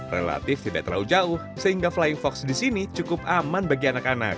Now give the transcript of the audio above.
relatif tidak terlalu jauh sehingga flying fox di sini cukup aman bagi anak anak